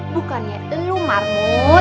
bukannya lo mahmud